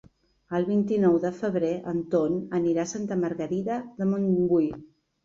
El vint-i-nou de febrer en Ton anirà a Santa Margarida de Montbui.